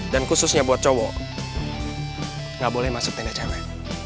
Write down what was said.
dan khususnya buat cowok gak boleh masuk tenda cewek